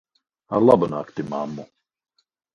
Ar labu nakti, mammu.